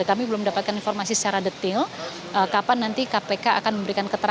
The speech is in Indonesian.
kami belum mendapatkan informasi secara detail kapan nanti kpk akan memberikan keterangan